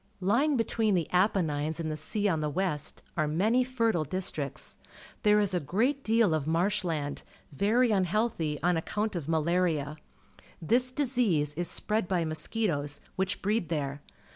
Lj ing between the Apennines and the sea on the west, are many fertile di.stricts. There is a great deal of marsh land, very unhealthy on accoimt of malaria. Tliis disease is spread by mosquitoes, which breed there.